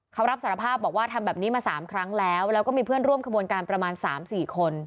เขารับสารภาพบอกว่าทำแบบนี้มา๓ครั้งแล้วแล้วก็มีเพื่อนร่วมขบวนการประมาณ๓๔คน